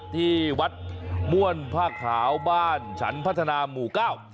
ที่วัดม่วนผ้าขาวบ้านฉันพัฒนาหมู่เก้า